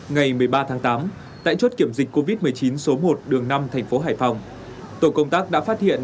ngày một mươi ba tháng tám tại chốt kiểm dịch covid một mươi chín số một đường năm thành phố hải phòng tổ công tác đã phát hiện